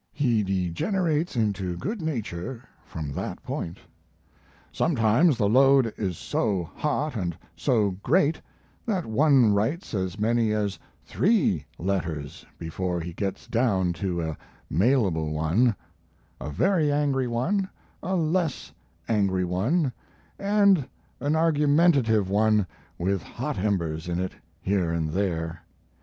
He degenerates into good nature from that point. Sometimes the load is so hot and so great that one writes as many as three letters before he gets down to a mailable one; a very angry one, a less angry one, and an argumentative one with hot embers in it here and there.